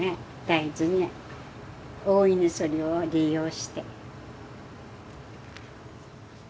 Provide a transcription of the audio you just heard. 大事に大いにそれを利用して。